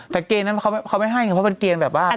แต่เกณฑ์นั้นเขาไม่ให้ไงเพราะเป็นเกณฑ์แบบว่า